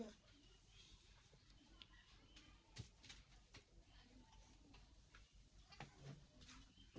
ada tamu tuh